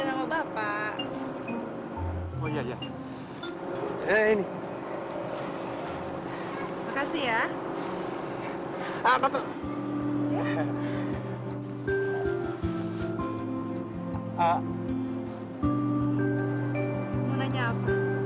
randy ikut aku yuk